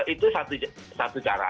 itu satu cara